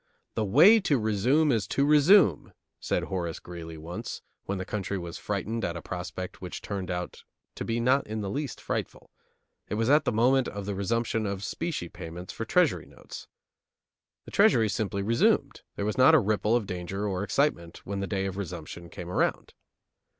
"The way to resume is to resume," said Horace Greeley, once, when the country was frightened at a prospect which turned out to be not in the least frightful; it was at the moment of the resumption of specie payments for Treasury notes. The Treasury simply resumed, there was not a ripple of danger or excitement when the day of resumption came around.